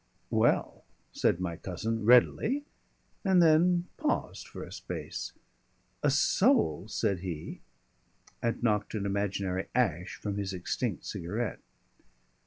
"Well," said my cousin readily, and then paused for a space. "A soul," said he, and knocked an imaginary ash from his extinct cigarette.